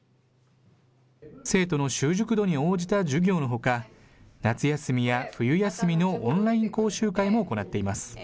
生徒の習熟度に応じた授業のほか、夏休みや冬休みのオンライン講習会も行っています。